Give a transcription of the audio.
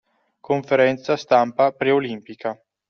Conferenza stampa pre-olimpica.